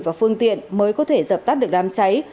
và phương tiện mới có thể dập tắt được đám cháy